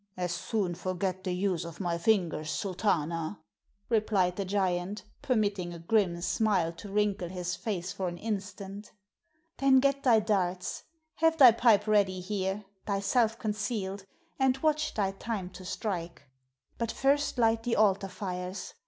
"As soon forget the use of my fingers, Sultana!" replied the giant, permitting a grim smile to wrinkle his face for an instant. "Then get thy darts. Have thy pipe ready here, thyself concealed, and watch thy time to strike. But first light the altar fires.